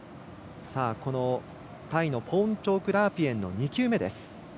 タイのポーンチョーク・ラープイェンの２球目です。